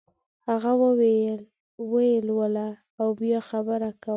هغه وویل ویې لوله او بیا خبره کوه.